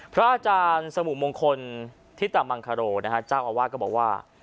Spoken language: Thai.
พระอาจารย์สมุมงคลทิศตะมังคโรจ้างอวาดก็บอกว่า